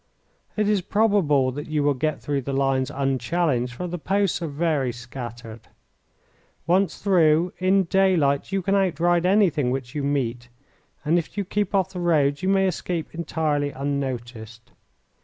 It is probable that you will get through the lines unchallenged, for the posts are very scattered. Once through, in daylight you can outride anything which you meet, and if you keep off the roads you may escape entirely unnoticed.